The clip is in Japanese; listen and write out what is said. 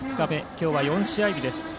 今日は４試合日です。